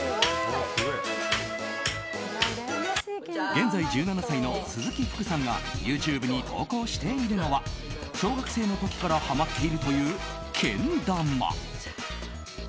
現在１７歳の鈴木福さんがＹｏｕＴｕｂｅに投稿しているのは小学生の時からハマっているというけん玉。